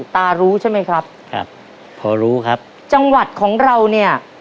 ตารู้ใช่ไหมครับครับพอรู้ครับจังหวัดของเราเนี่ย